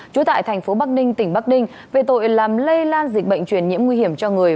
trú tại thành phố bắc ninh tỉnh bắc ninh về tội làm lây lan dịch bệnh truyền nhiễm nguy hiểm cho người